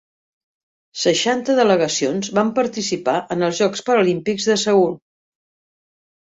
Seixanta delegacions van participar en els Jocs Paralímpics de Seül.